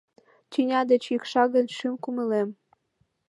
Тӱня деч йӱкша гын шӱм-кумылем